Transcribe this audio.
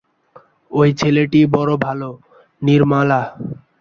ঐ ছেলেটি বড়ো ভালো– নির্মলা।